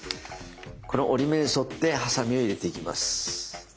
この折り目に沿ってはさみを入れていきます。